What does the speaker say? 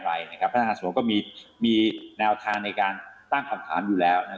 ไรนะครับพนักงานสวนก็มีมีแนวทางในการตั้งคำถามอยู่หรี้